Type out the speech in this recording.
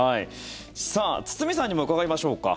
さあ、堤さんにも伺いましょうか。